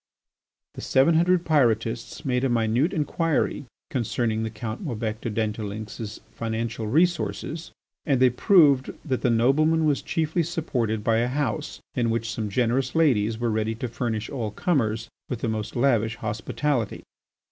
The seven hundred Pyrotists made a minute inquiry concerning the Count Maubec de la Dentdulynx's financial resources, and they proved that that nobleman was chiefly supported by a house in which some generous ladies were ready to furnish all comers with the most lavish hospitality.